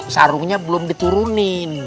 sarungnya belum diturunin